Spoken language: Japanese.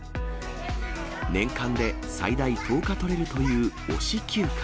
年間で最大１０日取れるという推し休暇。